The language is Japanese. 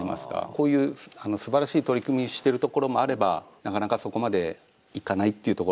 こういうすばらしい取り組みしてる所もあればなかなかそこまでいかないっていう所もあって。